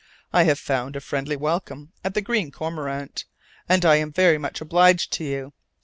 I have found a friendly welcome at the Green Cormorant, and I am very much obliged to you.